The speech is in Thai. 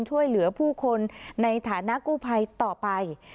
ช่วยเหลือผู้คนในฐานะกู้ภัยต่อไป